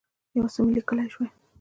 یو څه مي لیکلای شوای.